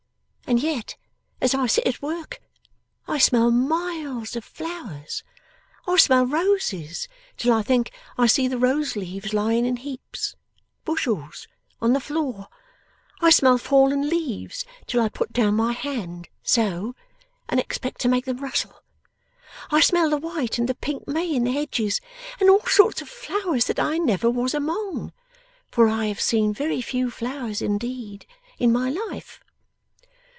And yet as I sit at work, I smell miles of flowers. I smell roses, till I think I see the rose leaves lying in heaps, bushels, on the floor. I smell fallen leaves, till I put down my hand so and expect to make them rustle. I smell the white and the pink May in the hedges, and all sorts of flowers that I never was among. For I have seen very few flowers indeed, in my life.